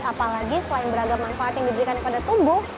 apalagi selain beragam manfaat yang diberikan kepada tubuh